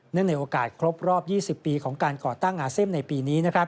ในโอกาสครบรอบ๒๐ปีของการก่อตั้งอาเซียนในปีนี้